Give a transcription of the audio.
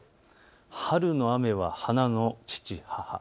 春の雨は花の父母。